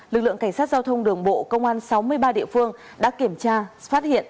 lực lượng cảnh sát giao thông đường bộ công an sáu mươi ba địa phương đã kiểm tra phát hiện